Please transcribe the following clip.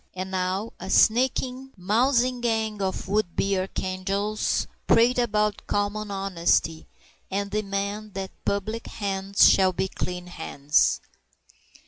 And now a sneaking, mousing gang of would be archangels prate about common honesty, and demand that public hands shall be clean hands!